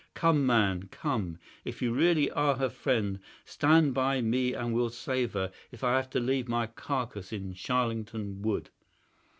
Come, man, come, if you really are her friend. Stand by me and we'll save her, if I have to leave my carcass in Charlington Wood."